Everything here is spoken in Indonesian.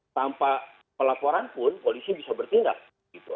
tanpa pelaporan pun polisi bisa bertindak gitu